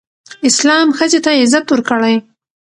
اسلام ښځې ته عزت ورکړی